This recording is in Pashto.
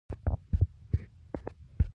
هېڅ ورځپاڼې ته هېڅ معلومات ور نه کړل شول.